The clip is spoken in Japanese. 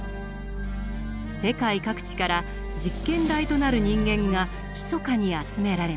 世界各地から実験台となる人間がひそかに集められます。